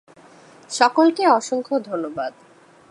সকলকে অসংখ্য ধন্যবাদ।